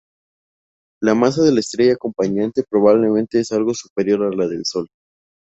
La masa de la estrella acompañante probablemente es algo superior a la del Sol.